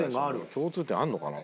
共通点あるのかな？